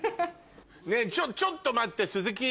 ちょっと待って鈴木